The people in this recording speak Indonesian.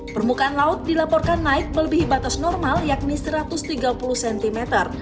permukaan laut dilaporkan naik melebihi batas normal yakni satu ratus tiga puluh cm